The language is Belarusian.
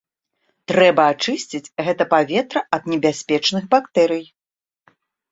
Трэба ачысціць гэта паветра ад небяспечных бактэрый.